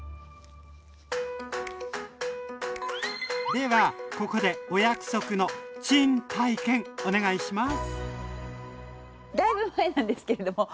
ではここでお約束のチーン体験お願いします。